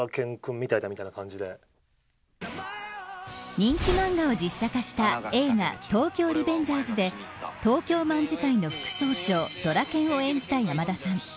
人気漫画を実写化した映画東京リベンジャーズで東京卍會の副総長ドラケンを演じた山田さん。